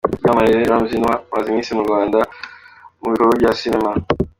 Icyamamare Ramsey Nouah amaze iminsi mu Rwanda mu bikorwa bya sinema.